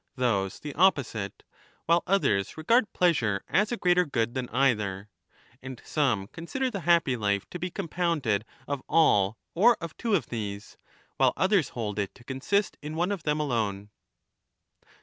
those the opposite, while others regard . p leasure as a greater good than either : and some consider the happy life to be compounded of all or of two of these, 5 while others hold it to consist in one of them alone.